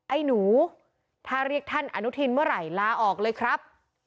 ไอ้หนูถ้าเรียกท่านอนุทินเมื่อไหร่ลาออกเลยครับ